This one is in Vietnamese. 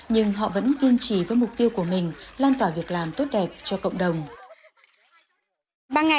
nhưng họ vẫn kiên trì với mục tiêu của mình lan tỏa việc làm tốt đẹp cho cộng đồng